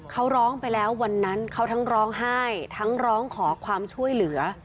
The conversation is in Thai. เขาร้องไปแล้ววันนั้นเขาทั้งร้องไห้ทั้งร้องขอความช่วยเหลือ